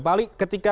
pak ali ketemu lagi